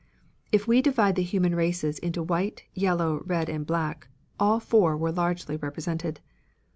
If we divide the human races into white, yellow, red and black, all four were largely represented.